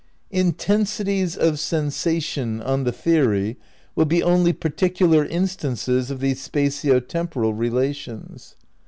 Intensities of sensation, on the theory, will be only particular instances of these spatio temporal relations.